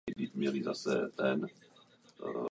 Vybojovali jednu zlatou medaili.